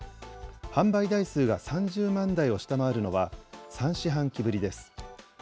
販売台数が３０万台を下回るのは３四半期ぶりです。